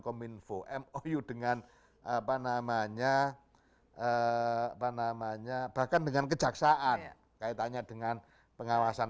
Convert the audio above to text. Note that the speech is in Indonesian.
kominfo mou dengan apa namanya apa namanya bahkan dengan kejaksaan kaitannya dengan pengawasan